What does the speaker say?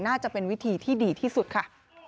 น่าจะเป็นวิธีที่ดีที่สุดค่ะ